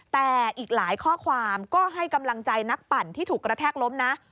แต่อีกหลายข้อความก็ให้กำลังใจนักปั่นที่ถูกกระแทกล้มนะ